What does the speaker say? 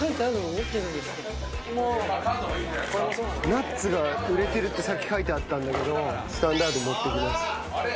ナッツが売れてるってさっき書いてあったんだけどスタンダード持ってきます。